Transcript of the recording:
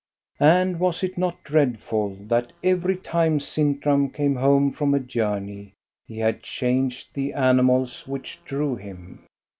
And was it not dreadful that every time Sintram came home from a journey he had changed the ani mals which drew him?